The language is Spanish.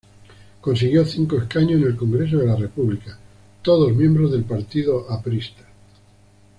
Consiguió cinco escaños en el Congreso de la República, todos miembros del Partido Aprista.